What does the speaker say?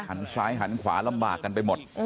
หันซ้ายหันขวาลำบากกันไปหมด